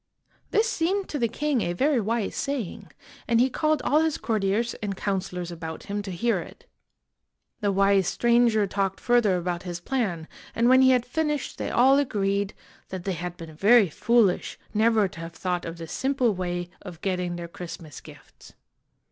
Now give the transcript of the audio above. This seemed to the king a very wise saying, and he called all his courtiers and counselors about him to hear it. The wise stranger talked further about his plan, and when he had finished they all agreed that they had been very foolish never to have thought of this simple way of getting their Christmas gifts.